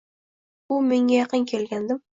U menga yaqin kelgandim.